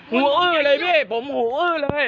หูอื้อเลยพี่ผมหูอื้อเลย